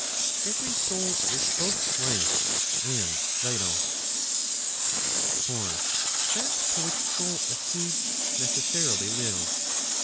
Every soul is both life and vital. For that to which soul accedes necessarily lives.